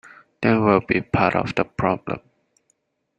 Then we’d be part of the problem.